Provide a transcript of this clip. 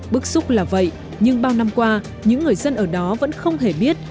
bức xúc là vậy nhưng bao năm qua những người dân ở đó vẫn không hề biết